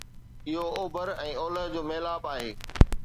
اهو اوڀر ۽ اولهه جو ميلاپ آهي